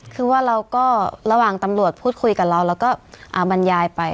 คือว่าเราก็ระหว่างตำรวจพูดคุยกับเราเราก็บรรยายไป